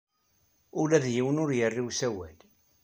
Ula d yiwen ur yerri i usawal.